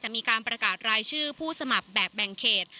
มีการประกาศรายชื่อผู้สมัครแบบแบ่งเขต